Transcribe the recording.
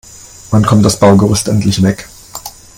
Wann kommt das Baugerüst endlich weg?